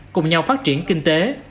cùng nhau phát triển kinh tế